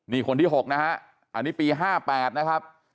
นี่คนที่๖นะฮะอันนี้ปี๕๘นะครับ